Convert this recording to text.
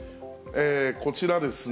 こちらですね。